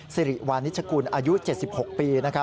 สิริวานิชกุลอายุ๗๖ปี